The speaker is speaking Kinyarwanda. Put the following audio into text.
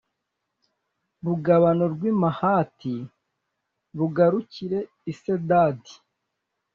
rugabano rw i Hamati rugarukire i Sedadi